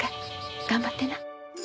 頑張ってな。